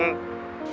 saya juga udah mau